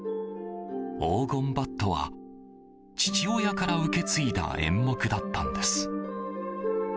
「黄金バット」は父親から受け継いだ演目だったんです。